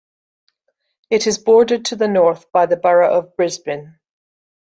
It is bordered to the north by the borough of Brisbin.